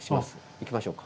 行きましょうか。